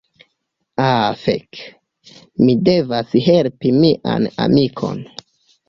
Ah fek, mi devas helpi mian amikon.